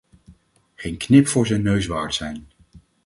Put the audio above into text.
Geen knip voor zijn neus waard zijn.